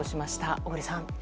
小栗さん。